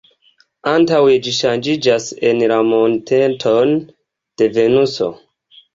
Antaŭe ĝi ŝanĝiĝas en la monteton de Venuso.